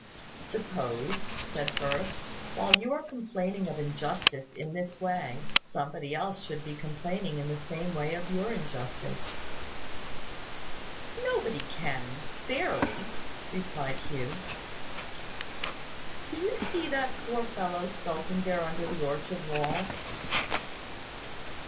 "Suppose," said Firth, "while you are complaining of injustice in this way, somebody else should be complaining in the same way of your injustice." "Nobody can fairly," replied Hugh. "Do you see that poor fellow, skulking there under the orchard wall?"